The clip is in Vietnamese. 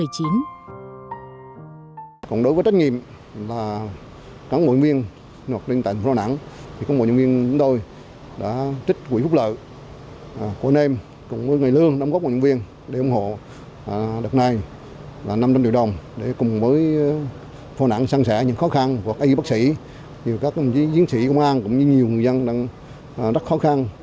còn đối với trách nhiệm là các ngội nhân viên hoặc liên tạng phó nặng thì các ngội nhân viên chúng tôi đã trích quỹ phúc lợi của anh em cùng với người lương đóng góp ngội nhân viên để ủng hộ đợt này là năm trăm linh triệu đồng để cùng với phó nặng sang sẻ những khó khăn của các y bác sĩ nhiều các diễn sĩ công an cũng như nhiều người dân đang rất khó khăn